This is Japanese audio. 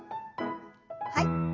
はい。